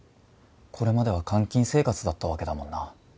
これまでは監禁生活だったわけだもんな。